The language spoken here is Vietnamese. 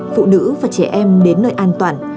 phụ nữ và trẻ em đến nơi an toàn